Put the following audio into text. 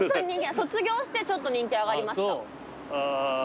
卒業してちょっと人気上がりました。